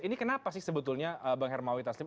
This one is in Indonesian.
ini kenapa sih sebetulnya bang hermawi taslim